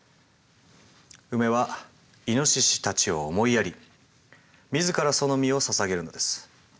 ウメはイノシシたちを思いやり自らその身をささげるのです。